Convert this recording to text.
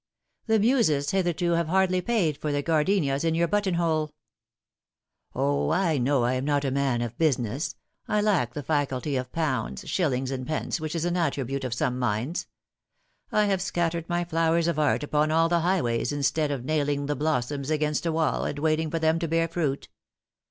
" The Muses hitherto have hardly paid for the gardenias in your buttonhole." The Time has Come. 205 " O, I know 1 am not a man of business. I lack the faculty of pounds, shillings, and pence, which is an attribute of some minds. I have scattered my flowers of art upon all the high ways instead of nailing the blossoms against a wall and waiting for them to bear fruit.